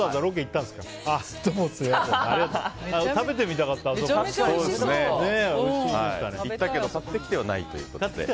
行ったけど買ってきてはないということで。